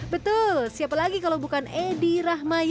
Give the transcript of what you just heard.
betul siapa lagi kalau bukan edi rahmayadi